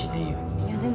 いやでも。